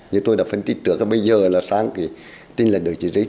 như tôi đã phân tích trước bây giờ là sang tên là đội chính trị